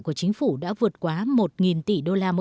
của chính phủ đã vượt quá một tỷ